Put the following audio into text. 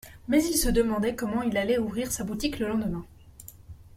Mais il se demandait comment il allait ouvrir sa boutique le lendemain